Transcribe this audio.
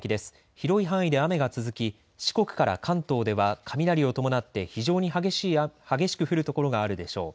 広い範囲で雨が続き四国から関東では雷を伴って非常に激しく降る所があるでしょう。